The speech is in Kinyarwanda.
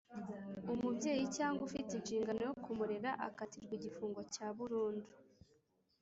umubyeyi cyangwa ufite ishingano yo kumurera akatirwa igifungo cya burundu.